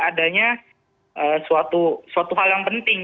adanya suatu hal yang penting